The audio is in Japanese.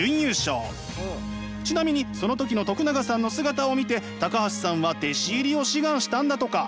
ちなみにその時の永さんの姿を見て橋さんは弟子入りを志願したんだとか。